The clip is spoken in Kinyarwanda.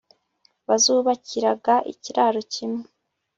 bazubakiraga ikiraro kimwe